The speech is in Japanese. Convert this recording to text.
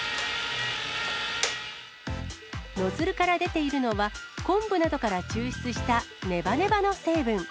ノズルから出ているのは、昆布などから抽出したねばねばの成分。